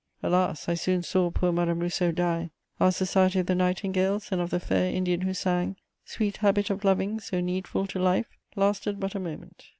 Alas! I soon saw poor Madame Rousseau die; our society of the nightingales and of the fair Indian who sang, "Sweet habit of loving, so needful to life!" lasted but a moment.